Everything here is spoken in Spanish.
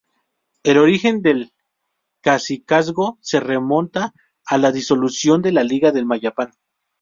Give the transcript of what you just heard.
El origen del cacicazgo se remonta a la disolución de la liga de Mayapán.